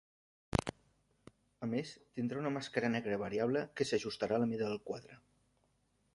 A més, tindrà una màscara negra variable que s'ajustarà a la mida del quadre.